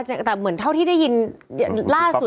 แต่เหมือนเท่าที่ได้ยินล่าสุด